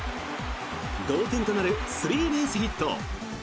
同点となるスリーベースヒット。